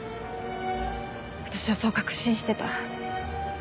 私はそう確信してた。